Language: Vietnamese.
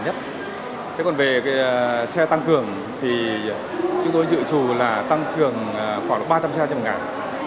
thế còn về xe tăng cường thì chúng tôi dự trù là tăng cường khoảng ba trăm linh xe trên một ngày